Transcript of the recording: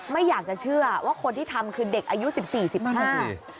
ไม่อยากจะเชื่อว่าคนที่ทำคือเด็กอายุสิบสี่สิบห้า